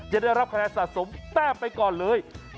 ได้รับคะแนนสะสมแต้มไปก่อนเลย